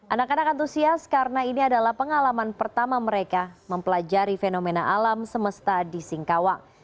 anak anak antusias karena ini adalah pengalaman pertama mereka mempelajari fenomena alam semesta di singkawang